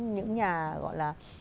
những nhà gọi là